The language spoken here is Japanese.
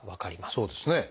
そうですね。